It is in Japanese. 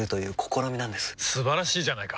素晴らしいじゃないか！